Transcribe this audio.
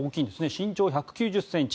身長１９０ｃｍ。